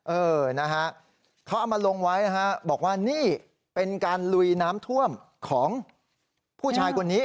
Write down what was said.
เออนะฮะเขาเอามาลงไว้นะฮะบอกว่านี่เป็นการลุยน้ำท่วมของผู้ชายคนนี้